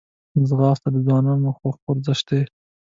ځغاسته د ځوانانو خوښ ورزش دی